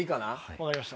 分かりました。